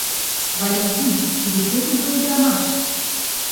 Валентин, тиде кӧ тугай ӱдырамаш?